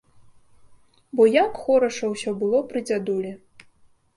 Бо як хораша ўсё было пры дзядулі!